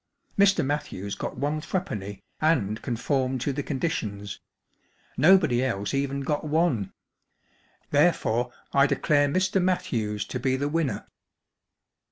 Mr. Matthews got one threepenny, and conformed to the con¬ ditions. Nobody else even got one. Therefore I declare Mr. Matthews to be the winner."